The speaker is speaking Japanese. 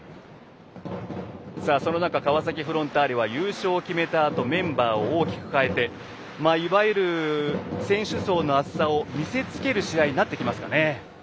その中川崎フロンターレは優勝を決めたあとメンバーを大きくかえていわゆる選手層の厚さを見せつける試合になってきますかね。